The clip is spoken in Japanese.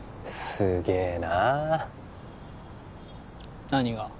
すげえな何が？